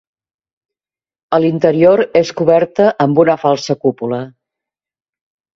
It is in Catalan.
A l'interior és coberta amb una falsa cúpula.